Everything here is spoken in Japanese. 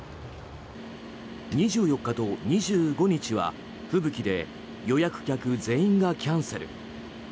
２４日と２５日は吹雪で予約客全員がキャンセル。